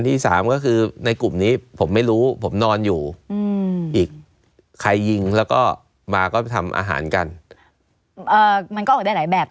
มันก็ออกได้หลายแบบถูกไหมก็ออกได้หลายแบบ